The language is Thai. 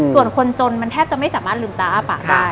ส่วนคนจนมันแทบจะไม่สามารถลืมตาอ้าปากได้